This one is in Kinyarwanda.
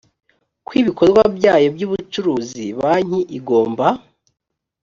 kw ibikorwa byayo by ubucuruzi banki igomba